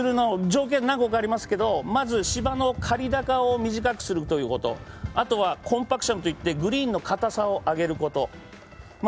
条件何個かありますけど、まず芝の刈高を短くするということ、あとはコンパクションといってグリーンのかたさを上げること。